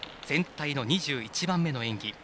全体の２１番目の演技。